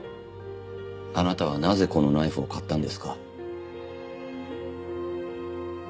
あなたはなぜこのナイフを買ったんですか？